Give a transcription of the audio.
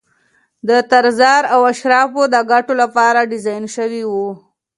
د تزار او اشرافو د ګټو لپاره ډیزاین شوي وو.